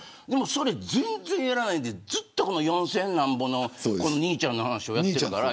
それ全然やらないで４０００なんぼの兄ちゃんの話をやってる。